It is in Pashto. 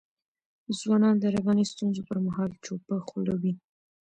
ځوانان د رواني ستونزو پر مهال چوپه خوله وي.